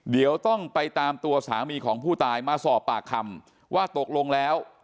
เดี๋ยวต้องไปตามตัวสามีของผู้ตายมาสอบปากคำว่าตกลงแล้ว